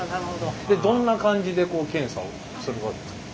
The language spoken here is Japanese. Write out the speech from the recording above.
でどんな感じで検査をするわけですか？